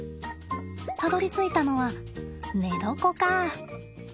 たどりついたのは寝床か。